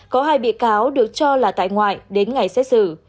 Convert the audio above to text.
có hai bị cáo được cho là tại ngoại đến ngày xét xử